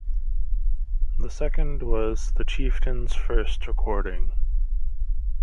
The second was the Chieftains first recording.